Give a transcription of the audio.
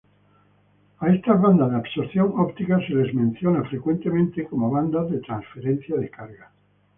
Estas bandas de absorción ópticas son referidas frecuentemente como "bandas de transferencia de carga"'.